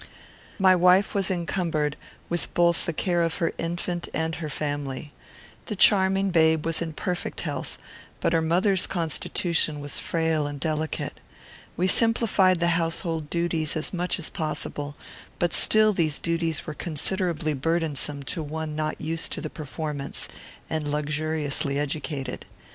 My wife was encumbered with the care both of her infant and her family. The charming babe was in perfect health, but her mother's constitution was frail and delicate. We simplified the household duties as much as possible, but still these duties were considerably burdensome to one not used to the performance, and luxuriously educated.